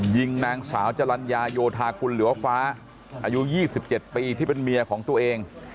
ยิงนางสาวจรัญญาโยธากุลหรือว่าฟ้าอายุ๒๗ปีที่เป็นเมียของตัวเอง